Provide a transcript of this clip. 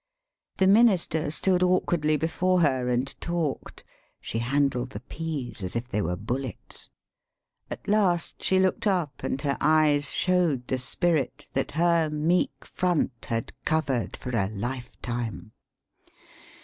] The minister stood awkwardly before her and talked. [She handled the pease as if they were bullets. At last she looked up, and her eyes 174 THE SHORT STORY showed the spirit that her meek front had cov ered for a lifetime.